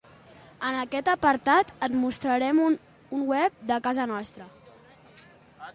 En aquest apartat et mostrem un web de casa nostra.